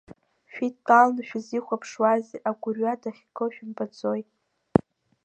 Шәидтәаланы шәызихәаԥшуазеи, агәырҩа дахьаго шәымбаӡои!